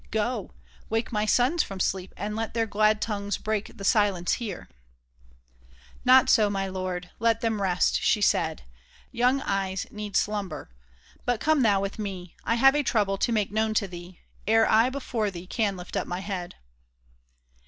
Go ! wake my sons from sleep, And let their glad tongues break the silence here !"*' Not so, my dear lord ! Let them rest," she said. " Young eyes need slumber. But come thou with me. I have a trouble to make known to thee Ere I before thee can lift up my head."